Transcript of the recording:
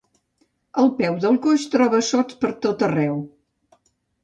El peu del coix troba sots per tot arreu.